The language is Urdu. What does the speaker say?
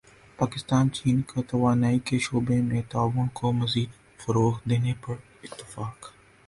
پاکستان چین کا توانائی کے شعبے میں تعاون کو مزید فروغ دینے پر اتفاق